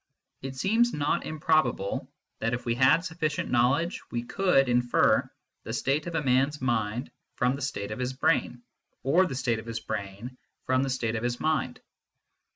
It seems not im probable that if we had sufficient knowledge we could infer the state of a man s mind from the state of his brain, or the state of his brain from the state of his mind.